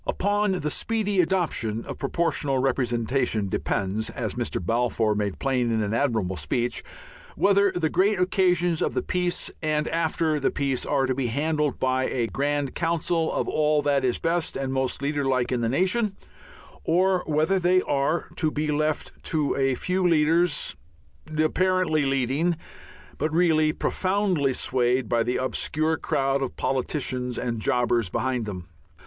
Upon the speedy adoption of Proportional Representation depends, as Mr. Balfour made plain in an admirable speech, whether the great occasions of the peace and after the peace are to be handled by a grand council of all that is best and most leaderlike in the nation, or whether they are to be left to a few leaders, apparently leading, but really profoundly swayed by the obscure crowd of politicians and jobbers behind them.